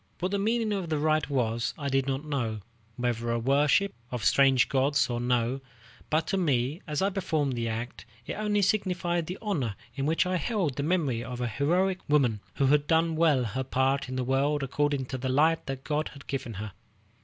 What the meaning of the rite was, I did not know, whether a worship of strange gods or no; but to me, as I performed the act, it only signified the honor in which I held the memory of a heroic woman who had done well her part in the world according to the light that God had given her.